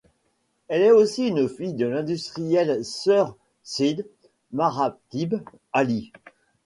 Elle est aussi la fille de l'industriel Sir Syed Maratib Ali.